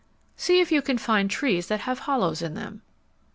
_ _See if you can find trees that have hollows in them.